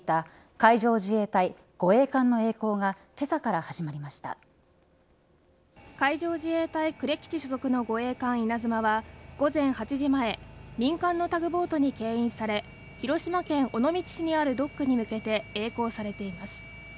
海上自衛隊、呉基地所属の護衛艦いなづまは午前８時前民間のタグボートにけん引され広島県尾道市にあるドックに向けてえい航されています。